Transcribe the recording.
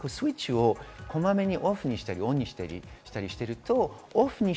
スイッチをこまめにオフにしたり、オンにしたりしていると、オフに